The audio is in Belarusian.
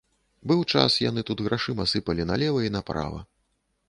Быў час яны тут грашыма сыпалі налева і направа.